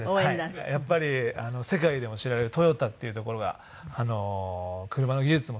やっぱり世界でも知られるトヨタっていうところが車の技術も最高でして。